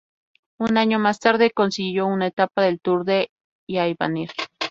Un año más tarde consiguió una etapa del Tour de l'Avenir.